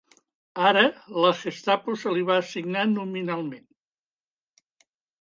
Ara la Gestapo se li va assignar nominalment.